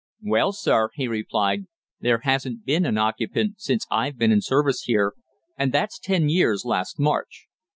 "Well, sir," he replied, "there hasn't been an occupant since I've been in service here, and that's ten years last March.